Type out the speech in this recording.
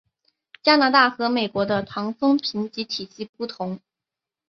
加拿大和美国的枫糖评级体系不同。